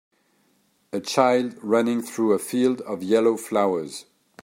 A child running through a field of yellow flowers.